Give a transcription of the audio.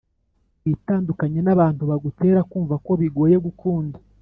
witandukane nabantu bagutera kumva ko bigoye gukunda.